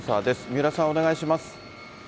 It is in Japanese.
三浦さん、お願いします。